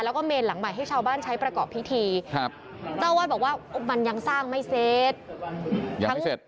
แล้วก็เมนหลังใหม่ให้ชาวบ้านใช้ประกอบพิธีครับเจ้าอาวาสบอกว่ามันยังสร้างไม่เสร็จยังเสร็จ